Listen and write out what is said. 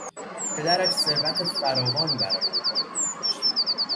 پدرش ثروت فراوانی برای او باقی گذاشت.